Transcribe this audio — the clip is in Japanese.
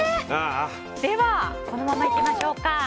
では、このままいきましょうか。